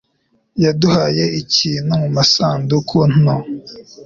yaduhaye ikintu mumasanduku nto.